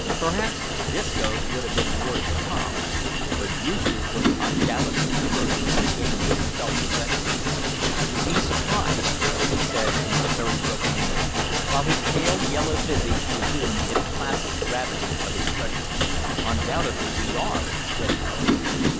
Perhaps Disco's would have been awarded the palm, but Yoosoof was undoubtedly the first to regain his self possession. "You be surprised," he said, in his very broken English, while his pale yellow visage resumed its placid gravity of expression. "Undoubtedly we are," said Harold.